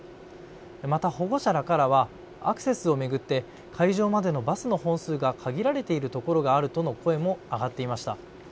また保護者らからはアクセスを巡って会場までのバスの本数が限られている所があるとの声も上がっていました。